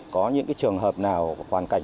có những trường hợp nào hoàn cảnh